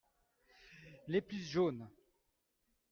Les plus jaunes.